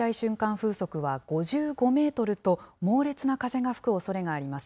風速は５５メートルと、猛烈な風が吹くおそれがあります。